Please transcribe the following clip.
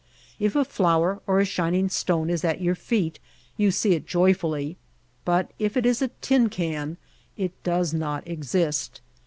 If a flower or a shining stone is at your feet you see it joyfully, but if it is a tin can it does not exist.